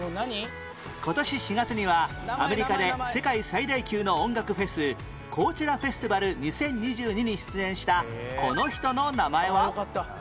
今年４月にはアメリカで世界最大級の音楽フェスコーチェラ・フェスティバル２０２２に出演したこの人の名前は？